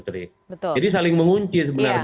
mereka saling mengunci sebenarnya